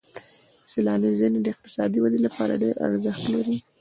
سیلاني ځایونه د اقتصادي ودې لپاره ډېر ارزښت لري.